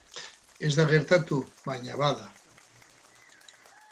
Ez da gertatu baina, bada